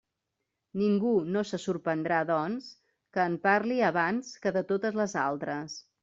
Ningú no se sorprendrà, doncs, que en parli abans que de totes les altres.